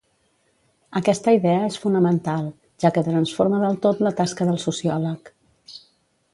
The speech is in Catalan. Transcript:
Aquesta idea és fonamental, ja que transforma del tot la tasca del sociòleg.